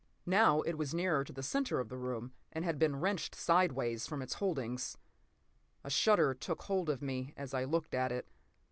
Now it was nearer to the center of the room, and had been wrenched sidewise from its holdings. A shudder took hold of me as I looked at it.